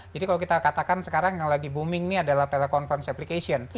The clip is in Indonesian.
jadi kalau kita katakan sekarang yang lagi booming ini adalah telekonferensi application